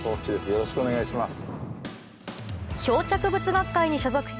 よろしくお願いします。